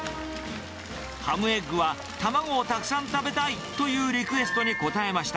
ハムエッグは卵をたくさん食べたいというリクエストに応えました。